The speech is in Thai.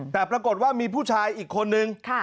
แต่ปรากฏว่ามีผู้ชายอีกคนนึง